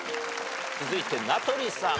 続いて名取さん。